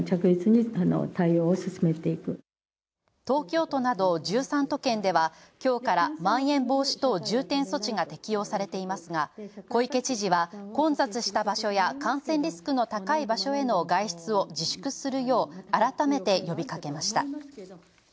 東京都など１３都県では、今日から「まん延防止等重点措置」が適用されていますが、小池知事は混雑した場所や感染リスクの高い場所への外出を自粛するよう改めて呼びかけました。